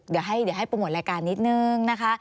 เดี๋ยวให้ปรบงวลรายการนิดหนึ่งนะคะ